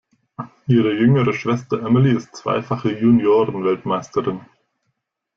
Ihre jüngere Schwester Emily ist zweifache Juniorenweltmeisterin.